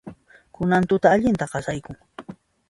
Kunan tuta allinta qasaykun.